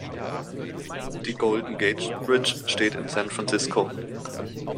Die Golden Gate Bridge steht in San Francisco.